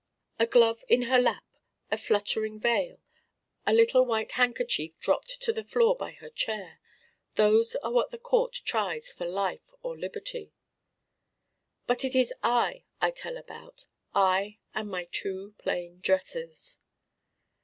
A glove in her lap, a fluttering veil, a little white handkerchief dropped to the floor by her chair those are what the court tries for life or liberty. But it is I I tell about, I and my Two plain Dresses.